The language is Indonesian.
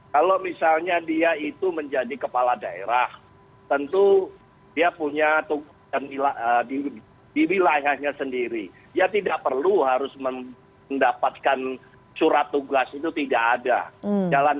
ketua dpp pdi perjuangan